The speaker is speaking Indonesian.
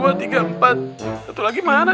wau prih lagi kena mata